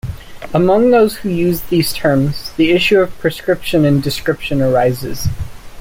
Among those who use these terms, the issue of prescription and description arises.